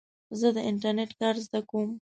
زه د انټرنېټ کار زده کوم.